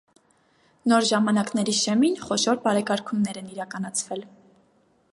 Նոր ժամանակների շեմին խոշոր բարեկարգումներ են իրականացվել։